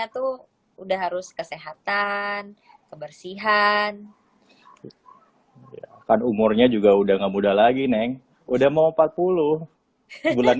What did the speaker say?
tuh udah harus kesehatan kebersihan kan umurnya juga udah nggak muda lagi neng udah mau empat puluh bulan